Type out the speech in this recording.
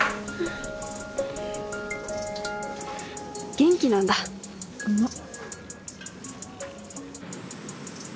元気なんだうまっ。